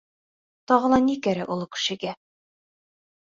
Тағы ла ни кәрәк оло кешегә?